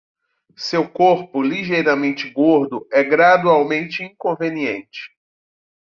Seu corpo ligeiramente gordo é gradualmente inconveniente